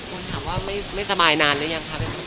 คนถามว่าไม่สบายนานหรือยังคะ